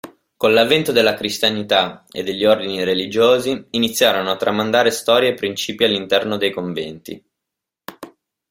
Con l'avvento della cristianità e degli ordini religiosi, iniziarono a tramandare storia e principi all'interno dei conventi.